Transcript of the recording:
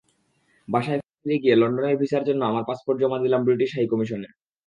বাসায় ফিরে গিয়ে লন্ডনের ভিসার জন্য আমার পাসপোর্ট জমা দিলাম ব্রিটিশ হাইকমিশনে।